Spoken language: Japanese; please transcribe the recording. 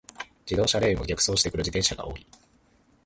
自転車レーンを逆走してくる自転車が多い。